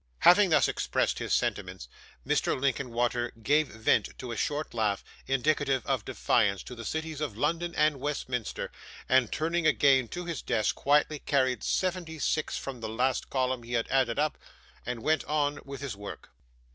Having thus expressed his sentiments, Mr. Linkinwater gave vent to a short laugh, indicative of defiance to the cities of London and Westminster, and, turning again to his desk, quietly carried seventy six from the last column he had added up, and went on with his work.